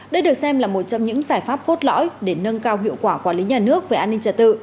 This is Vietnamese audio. đây được xem là một trong những giải pháp cốt lõi để nâng cao hiệu quả quản lý nhà nước về an ninh trật tự